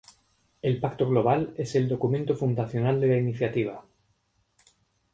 El Pacto Global es el documento fundacional de la iniciativa.